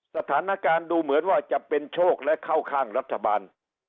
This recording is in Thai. สถานการณ์ดูเหมือนว่าจะเป็นโชคและเข้าข้างรัฐบาล